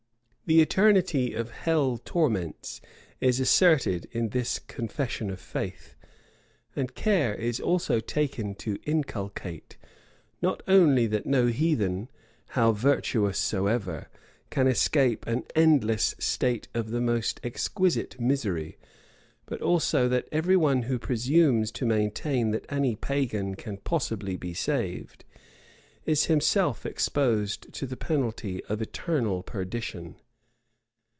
The eternity of hell torments is asserted in this confession of faith; and care is also taken to inculcate, not only that no heathen, how virtuous soever, can escape an endless state of the most exquisite misery, but also that every one who presumes to maintain that any pagan can possibly be saved, is himself exposed to the penalty of eternal perdition.